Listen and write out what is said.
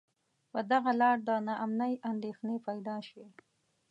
پر دغه لار د نا امنۍ اندېښنې پیدا شوې.